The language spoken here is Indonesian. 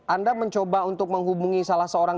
anda mencoba untuk menghubungi salah seorang